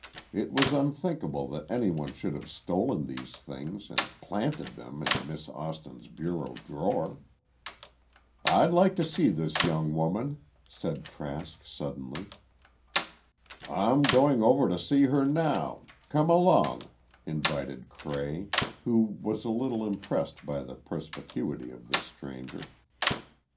It was unthinkable that anyone should have stolen these things and "planted" them in Miss Austin's bureau drawer! "I'd like to see this young woman," said Trask, suddenly. "I'm going over to see her now, come along," invited Cray, who was a little impressed by the perspicuity of this stranger.